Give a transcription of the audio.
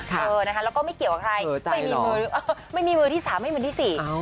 แล้วก็ไม่เกี่ยวกับใครไม่มีมือที่สามไม่มือที่สี่